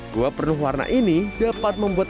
gua penuh warna ini dapat membuat